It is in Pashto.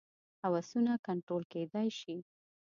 هوسونه کنټرول کېدای شي.